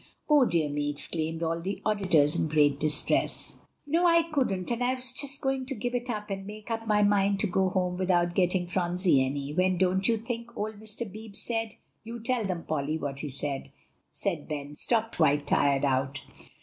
"Oh, dear me!" exclaimed all the auditors in great distress. "No, I couldn't; and I was just going to give it up, and make up my mind to go home without getting Phronsie any, when don't you think old Mr. Beebe said you tell them, Polly, what he said;" and Ben stopped quite tired out.